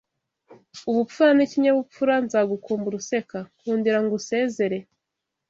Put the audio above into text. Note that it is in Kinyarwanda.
ubupfura n’ikinyabupfura, nzagukumbura useka; nkundira ngusezere